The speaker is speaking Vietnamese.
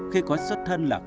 khi có xuất thân là con gái